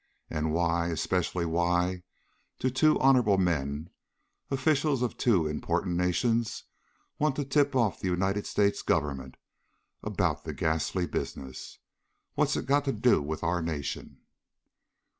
And why especially why do two honorable men, officials of two important nations, want to tip off the United States Government about the ghastly business? What's it got to do with our nation?"